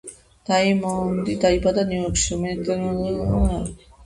დაიმონდი დაიბადა ნიუ-იორკში, რუმინეთიდან და რუსეთიდან ემიგრირებული ებრაელების ოჯახში.